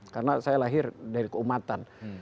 karena saya lahir dari keumatan